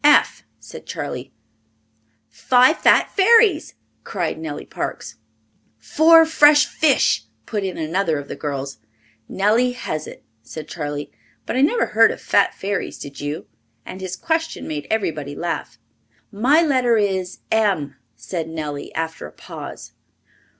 "F," said Charley. "Five Fat Fairies!" cried Nellie Parks. "Four Fresh Fish," put in another of the girls. "Nellie has it," said Charley. "But I never heard of fat fairies, did you?" and this question made everybody laugh. "My letter is M," said Nellie, after a pause.